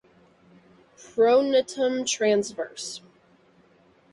Pronotum transverse.